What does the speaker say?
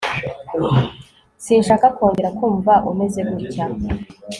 Sinshaka kongera kumva umeze gutya